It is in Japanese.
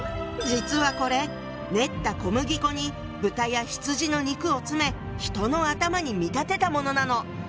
実はこれ練った小麦粉に豚や羊の肉を詰め人の頭に見立てたものなの！